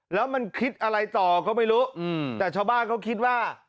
แล้วมันคิดอะไรต่อก็ไม่รู้แต่ชาวบ้านเขาคิดว่า